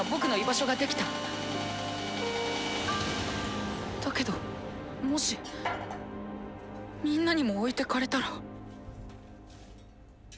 心の声だけどもしみんなにも置いていかれたら。